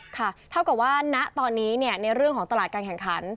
ค่ะเท่ากับว่าณตอนนี้ในเรื่องของตลาดการแข่งขัน